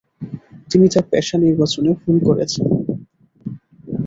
তিনি তার পেশা নির্বাচনে ভুল করেছেন।